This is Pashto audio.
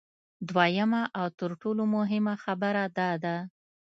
دویمه او تر ټولو مهمه خبره دا ده